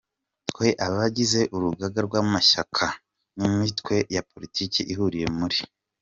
Twe abagize Urugaga rw’amashyaka n’imitwe ya politiki, ihuriye muri